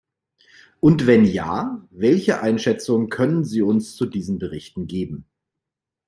Und wenn ja, welche Einschätzung können Sie uns zu diesen Berichten geben?